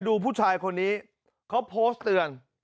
ดูผู้ชายคนนี้เขาโพสต์เตือน